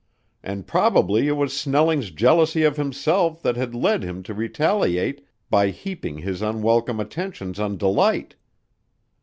And probably it was Snelling's jealousy of himself that had led him to retaliate by heaping his unwelcome attentions on Delight.